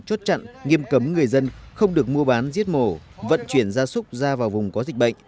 chốt chặn nghiêm cấm người dân không được mua bán giết mổ vận chuyển gia súc ra vào vùng có dịch bệnh